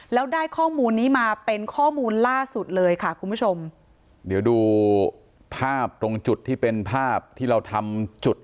แล้วได้ข้อมูลนี้มาเป็นข้อมูลล่าสุดเลยค่ะคุณผู้ชมเดี๋ยวดูภาพตรงจุดที่เป็นภาพที่เราทำจุด